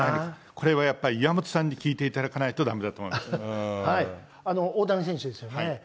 これはやっぱり岩本さんに聞いていただかないとだめだと思うんで大谷選手ですよね。